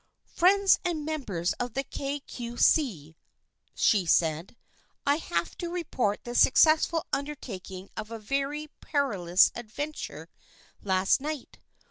" Friends and members of the Kay Cue See," she said, " I have to report the successful under taking of a very perilous adventure last night.